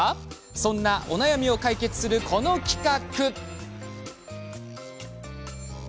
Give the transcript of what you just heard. そんなお悩みを解決するこの企画。